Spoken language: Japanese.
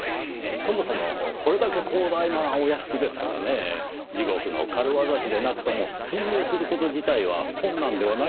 そもそもこれだけ広大なお屋敷ですからねぇ地獄の軽業師でなくとも侵入する事自体は困難ではないでしょう。